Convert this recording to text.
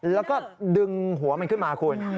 แล้วก็ดึงหัวมันขึ้นมาคุณ